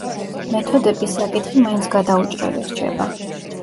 მეთოდების საკითხი მაინც გადაუჭრელი რჩება.